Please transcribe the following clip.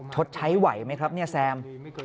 ชดใช้ไหวไหมครับแซม